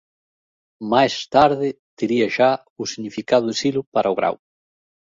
Máis tarde tería xa o significado de silo para o gran.